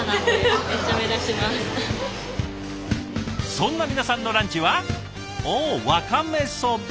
そんな皆さんのランチはおおワカメそば。